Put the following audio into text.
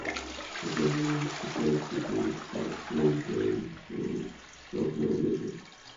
The Government decided to build the Orange Line of Lahore Metro.